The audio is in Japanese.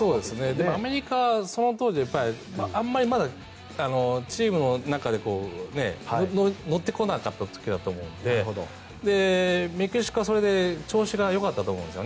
でもアメリカはその当時、あまりまだチームの中で乗ってこなかった時だと思うのでメキシコはそれで調子がよかったと思うんです。